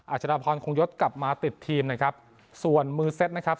ชดาพรคงยศกลับมาติดทีมนะครับส่วนมือเซ็ตนะครับ